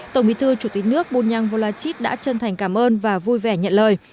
tổng bí thư chủ tịch nước bùn nhăng vô la chít đã chân thành cảm ơn và vui vẻ nhận lời